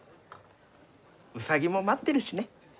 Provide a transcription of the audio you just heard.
ウサギも待ってるしね。